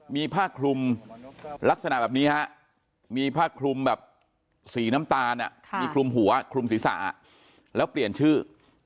มีผ้าคลุมลักษณะแบบนี้ฮะมีผ้าคลุมแบบสีน้ำตาลมีคลุมหัวคลุมศีรษะแล้วเปลี่ยนชื่อ